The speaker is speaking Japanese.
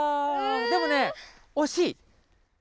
でもねおしい！